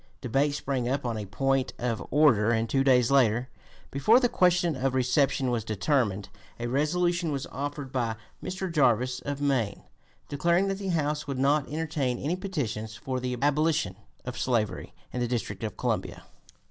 Debate sprang up on a point of order, and two days later, before the question of reception was determined, a resolution was offered by Mr. Jarvis, of Maine, declaring that the House would not entertain any petitions for the abolition of slavery in the District of Columbia.